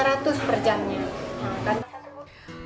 pasangan suami istri ini mengaku selalu berharga